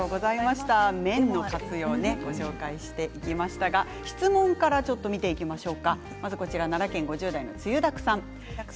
麺の活用をご紹介していきましたが質問から見ていきましょう。